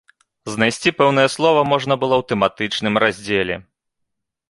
Знайсці пэўнае слова можна было ў тэматычным раздзеле.